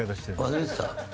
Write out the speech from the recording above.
忘れてた？